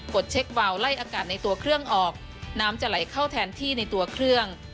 ดเช็ควาวไล่อากาศในตัวเครื่องออกน้ำจะไหลเข้าแทนที่ในตัวเครื่อง